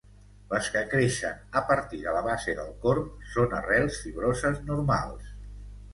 Les que creixen a partir de la base del corm són arrels fibroses normals.